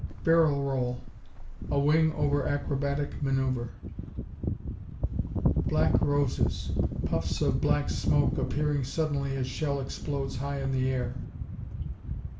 Barrel roll A wing over acrobatic manoeuvre. Black roses Puffs of black smoke appearing suddenly as shell explodes high in the air.